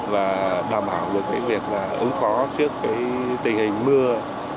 và đảm bảo được cái việc là ứng phó trước cái tình hình mưa